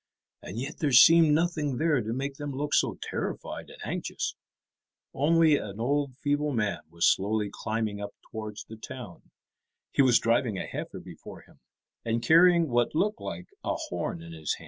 And yet there seemed nothing there to make them look so terrified and anxious. Only an old feeble man was slowly climbing up towards the town. He was driving a heifer before him, and carrying what looked like a horn in his hand.